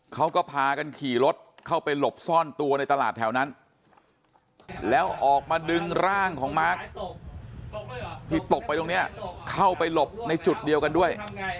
เขาก็พากันขี่รถเข้าไปหลบซ่อนตัวในตลาดแถวนั้นแล้วออกมาดึงร่างของมาร์คที่ตกไปตรงนี้เข้าไปหลบในจุดเดียวกันด้วย